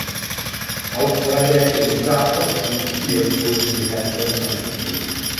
Auch zwei Werke in Charkow und Kiew wurden in die Herstellung einbezogen.